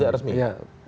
secara tidak resmi